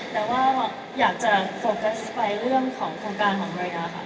แต่ว่าอยากจะโฟกัสไปเรื่องของโครงการของเรือค่ะ